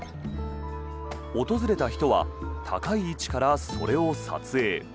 訪れた人は高い位置からそれを撮影。